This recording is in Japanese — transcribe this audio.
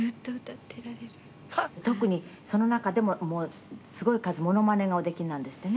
特にその中でもすごい数モノマネがお出来になるんですってね。